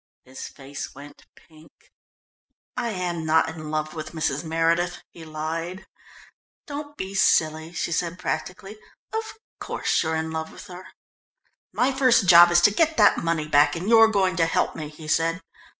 His face went pink. "I am not in love with Mrs. Meredith," he lied. "Don't be silly," she said practically, "of course you're in love with her." "My first job is to get that money back, and you're going to help me," he said.